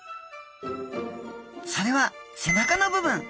それは背中の部分！